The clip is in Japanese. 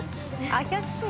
怪しい。